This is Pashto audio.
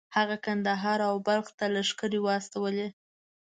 هغه کندهار او بلخ ته لښکرې واستولې.